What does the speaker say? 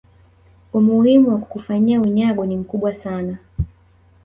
umuhimu wa kukufanyia unyago ni mkubwa sana